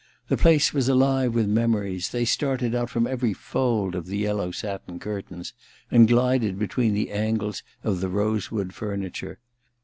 The place was alive with memories : they started out from every fold of the yellow satin curtains and glided between the angles of the rosewood furniture.